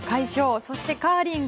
そしてカーリング